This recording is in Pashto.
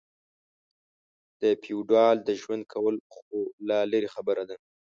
د فېوډال د ژوند کول خو لا لرې خبره ده.